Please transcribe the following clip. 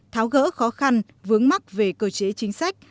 tháo gỡ khó khăn vướng mắc về cơ chế chính sách